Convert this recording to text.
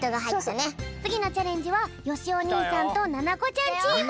つぎのチャレンジはよしお兄さんとななこちゃんチーム。